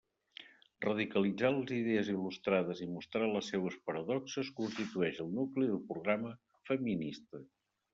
Radicalitzar les idees il·lustrades i mostrar les seues paradoxes constitueix el nucli del programa feminista.